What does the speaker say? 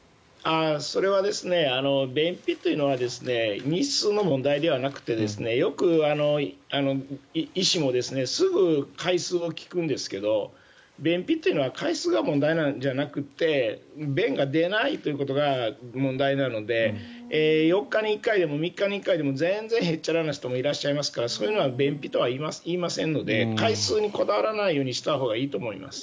それは便秘というのは日数の問題ではなくてよく医師もすぐ回数を聞くんですけど便秘というのは回数が問題なんじゃなくて便が出ないということが問題なので４日に１回でも３日に１回でも全然へっちゃらな方もいらっしゃいますのでそういうのは便秘とは言いませんので回数にこだわらないようにしたほうがいいと思います。